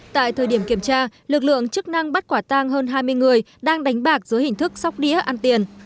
tại thời điểm kiểm tra lực lượng chức năng bắt quả tang hơn hai mươi người đang đánh bạc dưới hình thức sóc đĩa ăn tiền